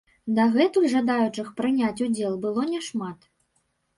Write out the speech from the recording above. Дагэтуль жадаючых прыняць удзел было не шмат.